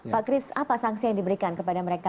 pak kris apa sanksi yang diberikan kepada mereka